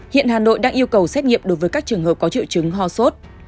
hiện hà nội đang yêu cầu xét nghiệm đối với các trường hợp có triệu chứng ho sốt